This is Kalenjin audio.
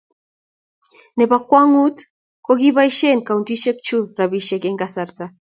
nebo bokwong'ut ko, kiboisie kauntisiek chu robisiek eng' kasarta